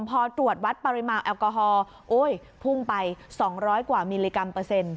พอตรวจวัดปริมาณแอลกอฮอล์พุ่งไป๒๐๐กว่ามิลลิกรัมเปอร์เซ็นต์